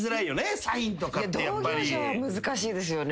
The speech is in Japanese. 同業者は難しいですよね。